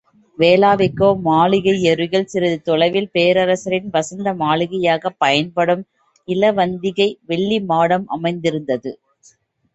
வேளாவிக்கோ மாளிகையருகில் சிறிது தொலைவில் பேரரசரின் வசந்த மாளிகையாகப் பயன்படும் இலவந்திகை வெள்ளிமாடம் அமைந்திருந்தது.